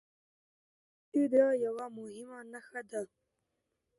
دښتې د زرغونتیا یوه مهمه نښه ده.